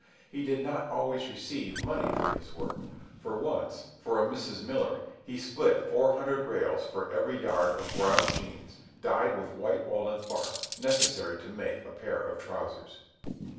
He did not always receive money for his work, for once, for a Mrs. Miller, he split four hundred rails for every yard of brown jeans, dyed with white walnut bark, necessary to make a pair of trowsers.